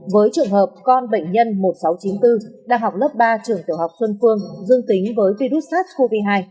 với trường hợp con bệnh nhân một nghìn sáu trăm chín mươi bốn đang học lớp ba trường tiểu học xuân phương dương tính với virus sars cov hai